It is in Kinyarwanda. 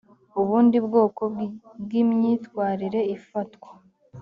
ubundi bwoko bw imyitwarire ifatwa